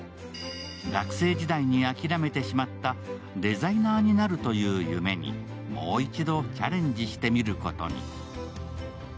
学生時代に諦めてしまったデザイナーになるという夢にもう一度チャレンジしてみることに。